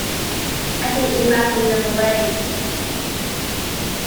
I can imagine them away.